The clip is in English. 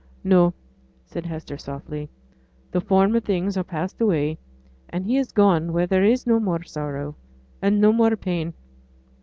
'No,' said Hester, softly. 'The former things are passed away and he is gone where there is no more sorrow, and no more pain.'